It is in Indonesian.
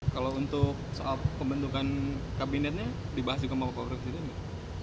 kalau untuk soal pembentukan kabinetnya dibahas dengan pak presiden